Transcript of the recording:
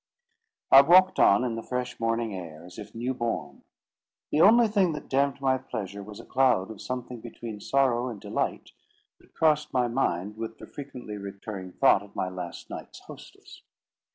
I walked on, in the fresh morning air, as if new born. The only thing that damped my pleasure was a cloud of something between sorrow and delight that crossed my mind with the frequently returning thought of my last night's hostess.